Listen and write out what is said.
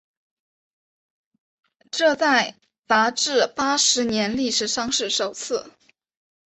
这在杂志八十年历史上是首次。